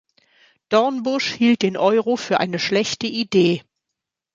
Dornbusch hielt den Euro für eine schlechte Idee.